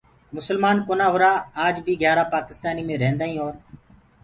مسلمآن ڪونآ هُرآ آج بي گھيآرآ پآڪِستآني مي ريهنٚدآئينٚ اور